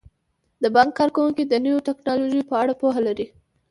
د بانک کارکوونکي د نویو ټیکنالوژیو په اړه پوهه لري.